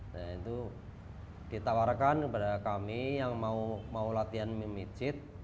nah itu ditawarkan kepada kami yang mau latihan memijit